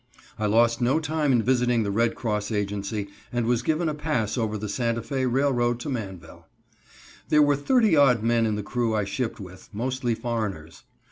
I lost no time in visiting the Red Cross Agency, and was given a pass over the Santa Fe Railroad to Manvel. There were thirty odd men in the crew I shipped with, mostly foreigners.